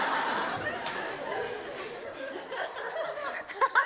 ハハハ！